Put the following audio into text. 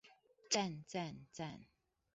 讚讚讚